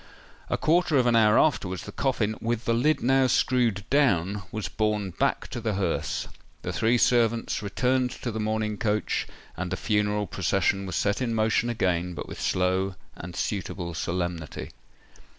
A quarter of an hour afterwards, the coffin, with the lid now screwed down, was borne back to the hearse;—the three servants returned to the mourning coach, and the funeral procession was set in motion again—but with slow and suitable solemnity.